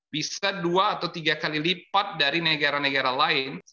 bisa dua atau tiga kali lipat dari negara negara lain